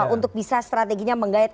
untuk bisa strateginya menggait